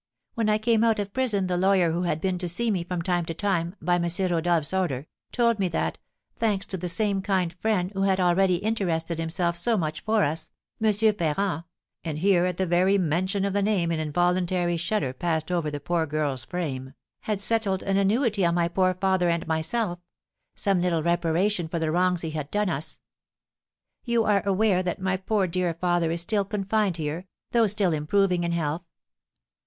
When I came out of prison the lawyer who had been to see me from time to time, by M. Rodolph's order, told me that, thanks to the same kind friend who had already interested himself so much for us, M. Ferrand (and here at the very mention of the name an involuntary shudder passed over the poor girl's frame) had settled an annuity on my poor father and myself, some little reparation for the wrongs he had done us. You are aware that my poor dear father is still confined here, though still improving in health."